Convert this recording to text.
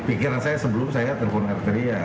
pikiran saya sebelum saya telpon arteria